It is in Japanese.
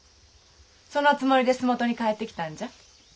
そのつもりで洲本に帰ってきたんじゃ。